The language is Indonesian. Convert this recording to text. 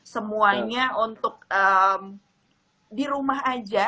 semuanya untuk di rumah aja